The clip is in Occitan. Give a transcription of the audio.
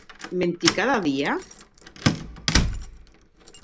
Mentir cada dia!